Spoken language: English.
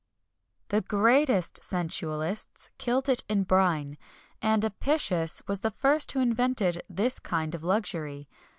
[XXI 16] The greatest sensualists killed it in brine, and Apicius was the first who invented this kind of luxury.